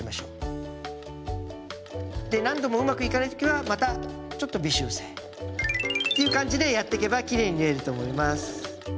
何度もうまくいかない時はまたちょっと微修正っていう感じでやっていけばきれいに縫えると思います。